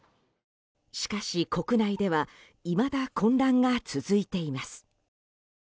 しかし、国内ではいまだ混乱が続いています。